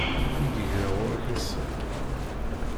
I d-yegra ɣur-k ass-a.